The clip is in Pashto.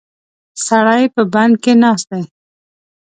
سړی په بند کې ناست دی.